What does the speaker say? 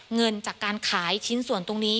เงินจากการขายชิ้นส่วนตรงนี้